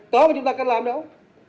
có mà chúng ta cần làm đâu